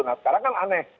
nah sekarang kan aneh